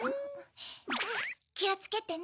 きをつけてね！